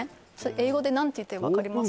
英語で何と言うか分かりますか？